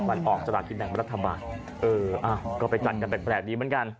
วันออกสลากินแบ่งรัฐบาลเออก็ไปจัดกันแปลกดีเหมือนกัน